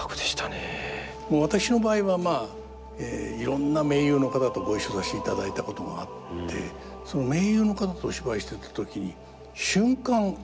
私の場合はまあいろんな名優の方とご一緒させていただいたことがあってその名優の方とお芝居してた時に瞬間「今俺はどこにいるの？